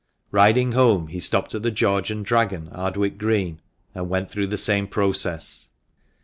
Riding home, he stopped at the "George and Dragon," Ardwick Green, and went through the same process.